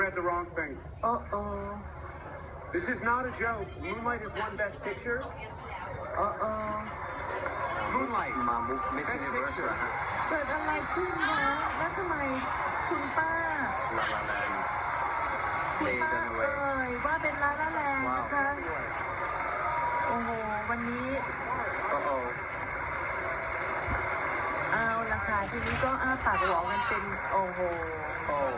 โอ้โหวันนี้อ้าวแล้วค่ะทีนี้ก็อ้าฝากหวังกันเป็นโอ้โห